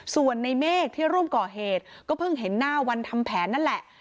ส่วนในเมฆที่ร่วมก่อเหตุก็เพิ่งเห็นหน้าวันทำแผนนั่นแหละ